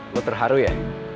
lo terharu ya